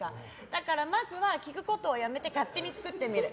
だからまずは聞くことをやめて勝手に作ってみる。